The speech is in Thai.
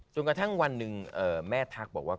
ทุกวันหนึ่งแม่ทักบอกว่า